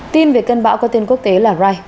tin về cơn bão có tên quốc tế là rai